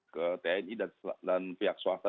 ke tni dan pihak swasta